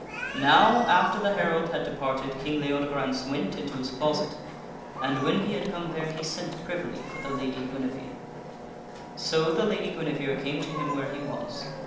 Now after the herald had departed, King Leodegrance went into his closet, and when he had come there he sent, privily, for the Lady Guine vere. So the Lady Guinevere came to him where he was.